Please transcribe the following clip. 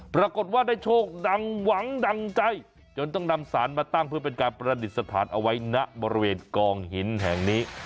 ปรากฏว่าได้โชคดังหวังดังใจจนต้องนำสารมาตั้งเพื่อเป็นการประดิษฐานเอาไว้ณบริเวณกองหินแห่งนี้